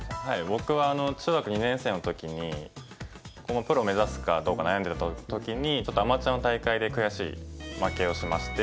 僕は中学２年生の時に今後プロ目指すかどうか悩んでる時にちょっとアマチュアの大会で悔しい負けをしまして。